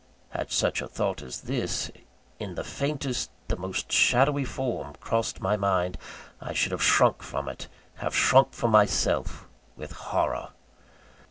Had such a thought as this, in the faintest, the most shadowy form, crossed my mind, I should have shrunk from it, have shrunk from my self; with horror.